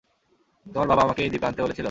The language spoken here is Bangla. তোমার বাবা আমাকে এই দ্বীপে আনতে বলেছিল?